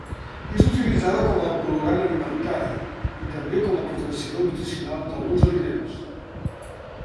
És utilitzada com a colorant alimentari i també com a potenciador nutricional d'alguns aliments.